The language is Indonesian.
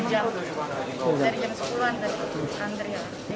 sudah jam sepuluh an tadi antrean